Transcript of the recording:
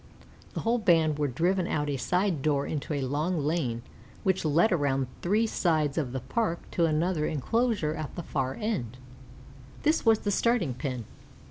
The whole band were driven out of a side door into a long lane which led around three sides of the Park to another inclosure at the far end. This was the Starting Pen.